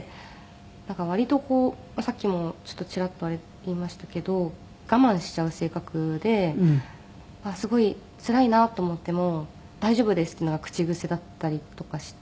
なんか割とさっきもちょっとチラッと言いましたけど我慢しちゃう性格ですごいつらいなと思っても「大丈夫です」っていうのが口癖だったりとかして。